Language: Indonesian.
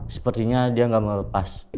sepertinya dia gak mau lepas